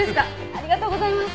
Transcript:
ありがとうございます。